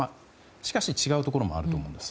しかし、違うところもあると思います。